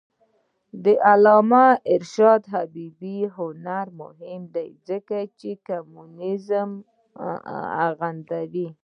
د علامه رشاد لیکنی هنر مهم دی ځکه چې کمونیزم غندي.